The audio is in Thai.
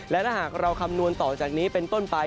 และถ้าหากเราคำนวณต่อจากนี้เป็นต้นไป